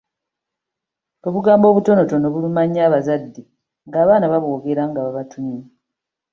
Obugambo obutonotono buluma nnyo abazadde ng’abaana babwogera nga babatumye.